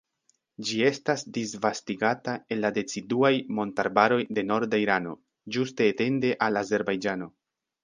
Ĝi estas disvastigata en la deciduaj montarbaroj de norda Irano, ĝuste etende al Azerbajĝano.